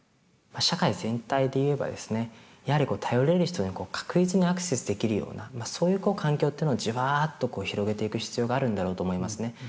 社会全体で言えばですねやはり頼れる人に確実にアクセスできるようなそういう環境っていうのをじわっと広げていく必要があるんだろうと思いますね。